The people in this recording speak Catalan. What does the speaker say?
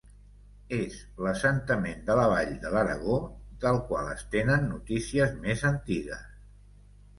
És l'assentament de la Vall de l'Aragó del qual es tenen notícies més antigues.